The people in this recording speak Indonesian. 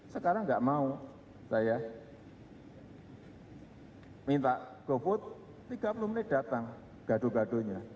sekarang enggak mau saya minta gofood tiga puluh menit datang gadu gadunya